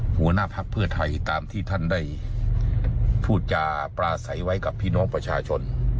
หัวหน้าภักดิ์เพื่อไทยตามที่ท่านได้พูดจาปราศัยไว้กับพี่น้องประชาชน